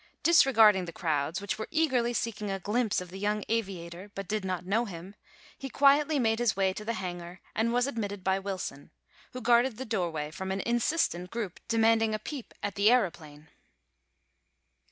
Disregarding the crowds, which were eagerly seeking a glimpse of the young aviator but did not know him, he quietly made his way to the hangar and was admitted by Wilson, who guarded the doorway from an insistent group demanding a peep at the aëroplane.